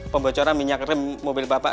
pembocoran minyak rem mobil bapak